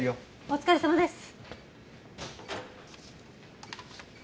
お疲れさまです。